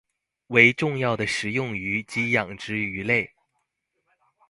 为重要的食用鱼及养殖鱼类。